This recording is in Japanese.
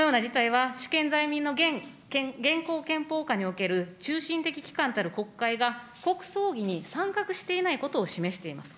このような事態は、主権在民の現行憲法下における中心的機関たる国会が国葬儀に参画していないことを示しています。